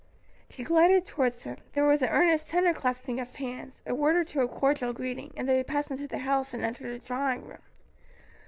She glided towards him; there was an earnest, tender clasping of hands, a word or two of cordial greeting, and they passed into the house and entered the drawing room.